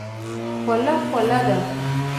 خوله خوله ده.